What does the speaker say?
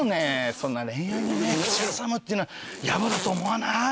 そんな恋愛にね口挟むっていうのはやぼだと思わない？